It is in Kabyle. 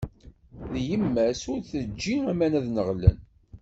D yemma-s, ur teǧǧi aman ad nneɣlen!